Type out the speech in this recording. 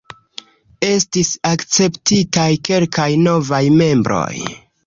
Estis akceptitaj kelkaj novaj membroj.